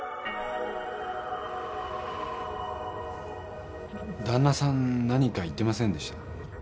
旦那さん何か言ってませんでした？